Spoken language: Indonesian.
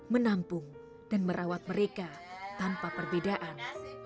menampung dan merawat mereka tanpa perbedaan